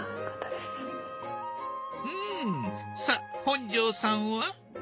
さっ本上さんは？